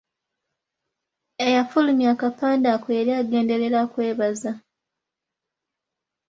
Eyafulumya akapande ako yali agenderera kwebaza.